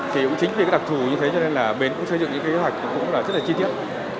thì cũng chính vì cái đặc thù như thế cho nên là bến cũng xây dựng những kế hoạch cũng là rất là chi tiết